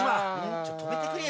ちょっと止めてくれよ。